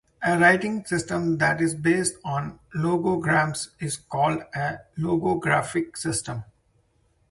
A writing system that is based on logograms is called a "logographic system".